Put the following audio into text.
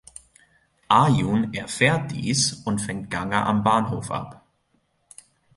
Arjun erfährt dies und fängt Ganga am Bahnhof ab.